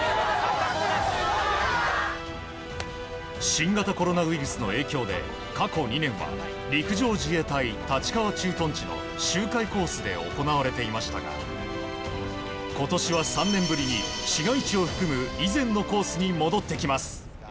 新型コロナウイルスの影響で過去２年は陸上自衛隊立川駐屯地の周回コースで行われていましたが今年は３年ぶりに市街地を含む以前のコースに戻ってきます。